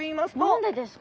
何でですか？